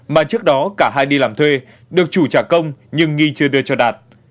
mà trước đó cả hai đi làm thuê được chủ trả công nhưng nghi chưa đưa cho đạt